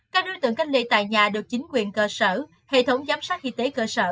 các đối tượng cách ly tại nhà được chính quyền cơ sở hệ thống giám sát y tế cơ sở